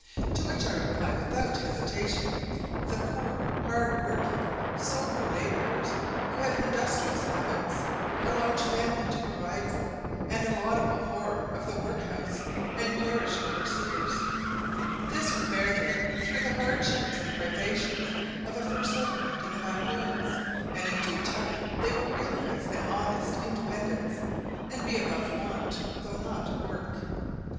To which I reply without hesitation the poor hard working, sober labourers, who have industrious habits, a large family to provide for, and a laudable horror of the workhouse and parish overseers: this will bear them through the hardships and privations of a first settlement in the backwoods; and in due time they will realize an honest independence, and be above want, though not work.